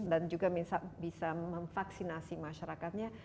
dan juga bisa memvaksinasi masyarakatnya